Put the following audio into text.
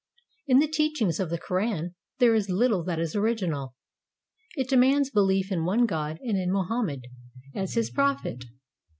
In the teachings of the Koran there is little that is original. It demands belief in one God and in Mohammed as his prophet.